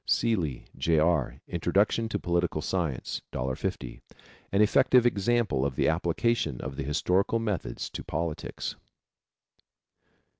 Seeley, J. R., Introduction to Political Science. $1.50. An effective example of the application of the historical methods to politics.